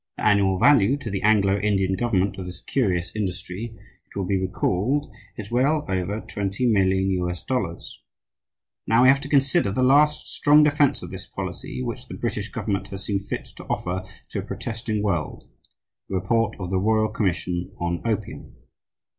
The annual value to the Anglo Indian government of this curious industry, it will be recalled, is well over $20,000,000. Now we have to consider the last strong defense of this policy which the British government has seen fit to offer to a protesting world, the report of the Royal Commission on Opium.